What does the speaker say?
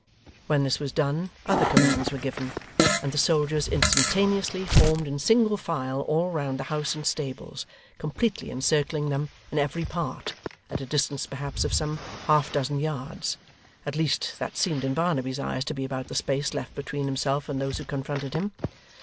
When this was done, other commands were given, and the soldiers instantaneously formed in single file all round the house and stables; completely encircling them in every part, at a distance, perhaps, of some half dozen yards; at least that seemed in Barnaby's eyes to be about the space left between himself and those who confronted him.